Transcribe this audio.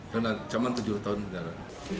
karena ancaman tujuh tahun penjara